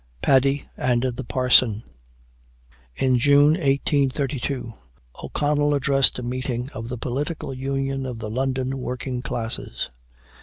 PADDY AND THE PARSON. In June, 1832, O'Connell addressed a meeting of the Political Union of the London working classes.